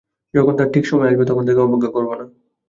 যখন তার ঠিক সময় আসবে তখন তাকে অবজ্ঞা করব না।